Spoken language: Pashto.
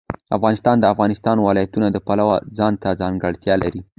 افغانستان د د افغانستان ولايتونه د پلوه ځانته ځانګړتیا لري.